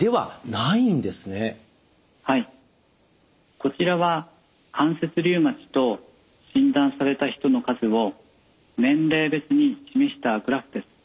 こちらは関節リウマチと診断された人の数を年齢別に示したグラフです。